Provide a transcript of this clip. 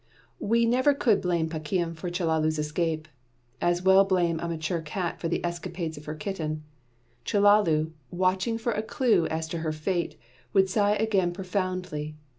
We never could blame Pakium for Chellalu's escape. As well blame a mature cat for the escapades of her kitten. Chellalu, watching for a clue as to her fate, would sigh again profoundly.